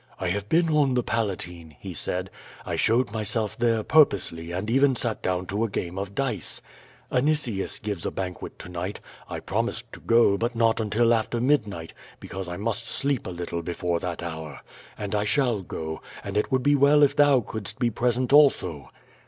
"I have been on the Palatine," he said. *T showed myself there purposely and even sat down to a game of dice. Anicius gives a banquet to night; I promised to go but not until after midnight, because I must sleep a lit tle before that hour. And I shall go, and it would be well if thou couldst be present also."